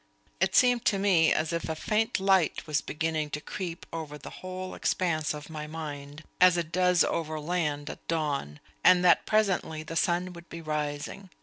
It seemed to me as if a faint light was beginning to creep over the whole expanse of my mind, as it does over land at dawn, and that presently the sun would be rising.